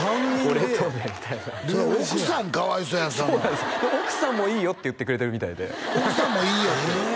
俺とでみたいな奥さんかわいそうやそんなんそうなんです奥さんも「いいよ」って言ってくれてるみたいで奥さんもいいよって？